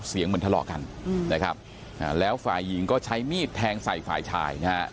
เหมือนทะเลาะกันนะครับแล้วฝ่ายหญิงก็ใช้มีดแทงใส่ฝ่ายชายนะฮะ